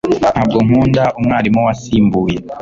Ntabwo nkunda umwarimu wasimbuye